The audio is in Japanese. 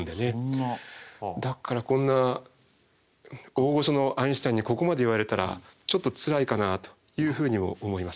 だからこんな大御所のアインシュタインにここまで言われたらちょっとつらいかなというふうにも思いますが。